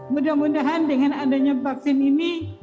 mudah mudahan dengan adanya vaksin ini